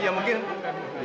itu perempuan enggak